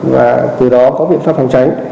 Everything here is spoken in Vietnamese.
và từ đó có biện pháp phòng tránh